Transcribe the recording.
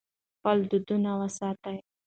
خپل دودونه وساتئ.